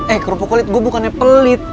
eh kerupuk kulit gue bukannya pelit